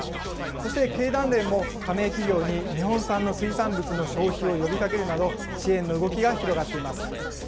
そして、経団連も、加盟企業に日本産の水産物の消費を呼びかけるなど、支援の動きが広がっています。